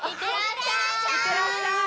いってらっしゃい！